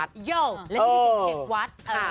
และนี่คือเสียงเด็กวัด